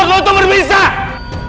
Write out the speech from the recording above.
gue mau berpisah